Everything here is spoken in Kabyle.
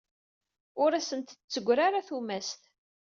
Ur asent-d-teggri ara tumast.